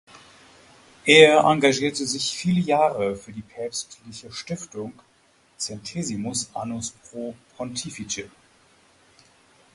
Er engagierte sich viele Jahre für die Päpstliche Stiftung Centesimus Annus Pro Pontifice.